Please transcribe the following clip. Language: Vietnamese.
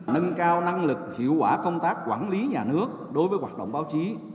nâng cao năng lực hiệu quả công tác quản lý nhà nước đối với hoạt động báo chí